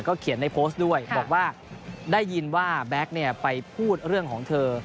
เขียนในโพสต์ด้วยบอกว่าได้ยินว่าแบ็คไปพูดเรื่องของเธอ